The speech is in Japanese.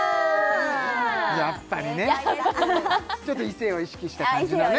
やっぱりねちょっと異性を意識した感じのね